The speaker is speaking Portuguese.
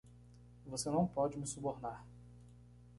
Você não pode me subornar.